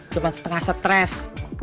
cuma setengah stres